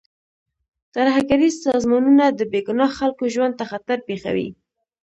ترهګریز سازمانونه د بې ګناه خلکو ژوند ته خطر پېښوي.